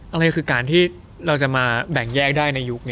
อะไรคือการที่เราจะมาแบ่งแยกได้ในยุค